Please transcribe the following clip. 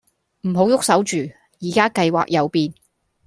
唔好喐手住，宜家計劃有變